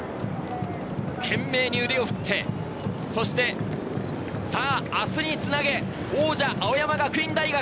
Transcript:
懸命に腕を振って明日につなげ、王者・青山学院大学。